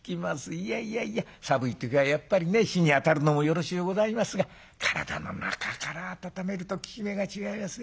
いやいやいや寒い時はやっぱりね火にあたるのもよろしゅうございますが体の中から温めると効き目が違いますね。